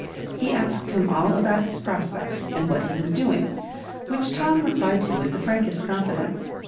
He asked him all about his prospects, and what he was doing, which Tom replied to with the frankest confidence.